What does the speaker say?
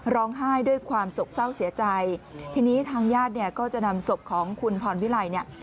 ร้องไห้ด้วยความสกเศร้าเสียใจทีนี้ทางญาติเนี่ยก็จะนำศพของคุณพรวิไลเนี่ย